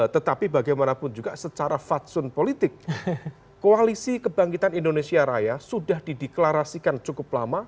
tetapi bagaimanapun juga secara faksun politik koalisi kebangkitan indonesia raya sudah dideklarasikan cukup lama